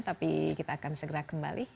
tapi kita akan segera kembali